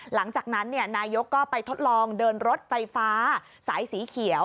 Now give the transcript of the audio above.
หลังจากนั้นนายกก็ไปทดลองเดินรถไฟฟ้าสายสีเขียว